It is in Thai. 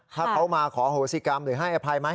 ถ้าเขามาขอโหสิกรรมหรือให้อภัยไหม